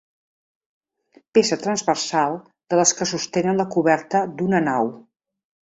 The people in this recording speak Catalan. Peça transversal de les que sostenen la coberta d'una nau.